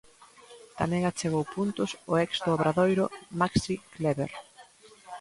Tamén achegou puntos o ex do Obradoiro Maxi Cleber.